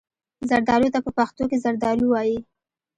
زردالو ته په پښتو کې زردالو وايي.